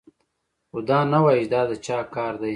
خو دا نه وايي چې دا د چا کار دی